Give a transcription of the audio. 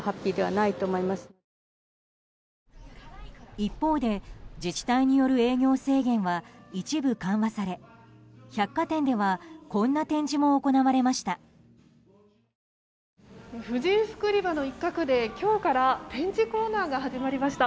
一方で自治体による営業制限は一部緩和され、百貨店ではこんな展示も行われました。